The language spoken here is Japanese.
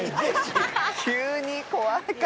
急に怖いから。